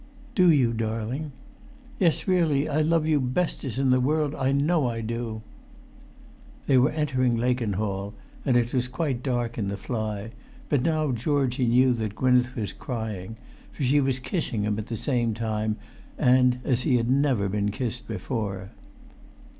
"Do you, darling?" "Yes, really. I love you bestest in the world. I know I do!" They were entering Lakenhall, and it was quite dark in the fly; but now Georgie knew that Gwynneth was crying, for she was kissing him at the same time, and as he never had been kissed before.